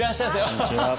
こんにちは。